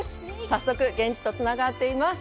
早速、現地とつながっています。